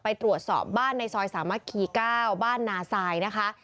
ไปตรวจสอบบ้านในซอยสามัคคี๙บ้านนาซายนะคะ